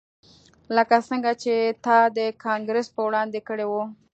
لکه څنګه چې تا د کانګرس په وړاندې کړي وو